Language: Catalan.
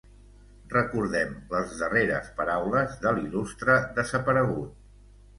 Recordem les darreres paraules de l'il·lustre desaparegut.